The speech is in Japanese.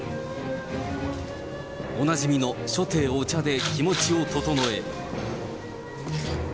おなじみの初手、お茶で気持ちを整え。